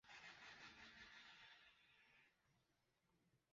天主教东科克罗姆宗座代牧教区是加纳一个罗马天主教宗座代牧区。